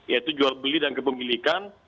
yaitu jual beli dan kepemilikan